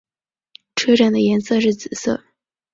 车站颜色是紫色。